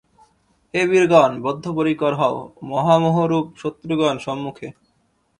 হে বীরগণ! বদ্ধপরিকর হও, মহামোহরূপ শত্রুগণ সম্মুখে।